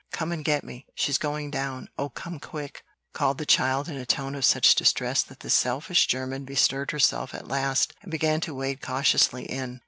"Come and get me! She's going down! Oh, come, quick!" called the child in a tone of such distress that the selfish German bestirred herself at last, and began to wade cautiously in.